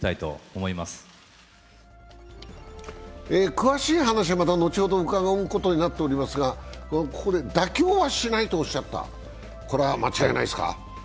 詳しい話はまた後ほど伺うことになっていますがここで妥協はしないとおっしゃった、これは間違いないですか？